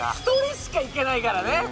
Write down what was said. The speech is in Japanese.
１人しかいけないからね。